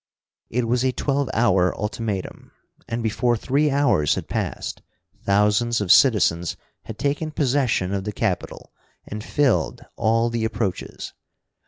It was a twelve hour ultimatum, and before three hours had passed thousands of citizens had taken possession of the Capitol and filled all the approaches.